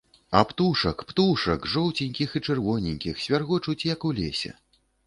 А птушак, птушак, жоўценькіх і чырвоненькіх, свяргочуць, як у лесе.